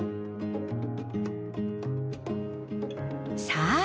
さあ